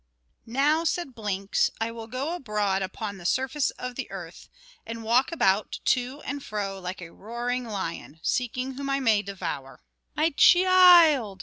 "Now," said Blinks, "I will go abroad upon the surface of the earth, and walk about to and fro like a roaring lion seeking whom I may devour." "My chee ild!